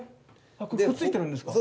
これくっついてるんですか？